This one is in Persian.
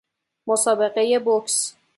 مسابقهی بوکس